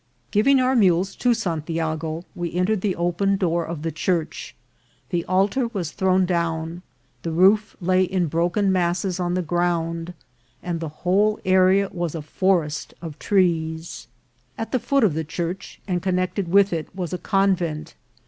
Giving our mules to Santiago, we entered the open door of the church. The altar was thrown down, the roof lay in broken masses on the ground, and the whole ar§a was a forest of trees. At the foot of the church, and connected with it, was a convent.